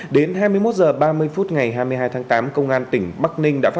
đến hai mươi một h ba mươi phút ngày hai mươi hai tháng tám công an tỉnh bắc ninh